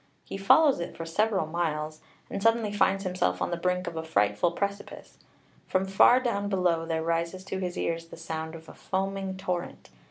He follows it for several miles, and suddenly finds himself on the brink of a frightful precipice. From far down below there rises to his ears the sound of a foaming torrent.